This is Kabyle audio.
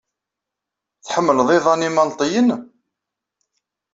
Tḥemmleḍ iḍan imalṭiyen?